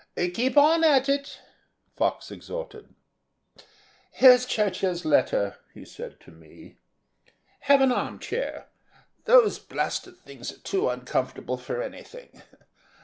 "Keep on at it," Fox exhorted. "Here's Churchill's letter," he said to me. "Have an arm chair; those blasted things are too uncomfortable for anything.